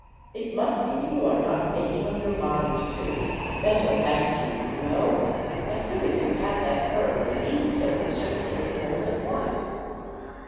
It must be you are not making up your mind to. Mental attitude, you know. As soon as you had that purge, these pills should have taken hold at once."